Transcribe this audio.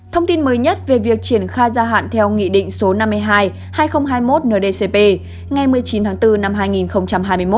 thông tin mới nhất về việc triển khai gia hạn theo nghị định số năm mươi hai hai nghìn hai mươi một ndcp ngày một mươi chín tháng bốn năm hai nghìn hai mươi một